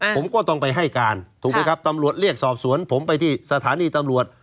ผมก็ต้องไปให้การถูกไหมครับตำรวจเรียกสอบสวนผมไปที่สถานีตำรวจ